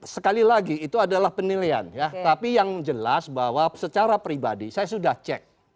sekali lagi itu adalah penilaian ya tapi yang jelas bahwa secara pribadi saya sudah cek